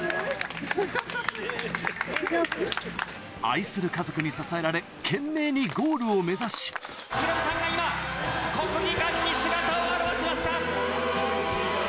愛する家族に支えられ懸命にゴールを目指しヒロミさんが今国技館に姿を現しました！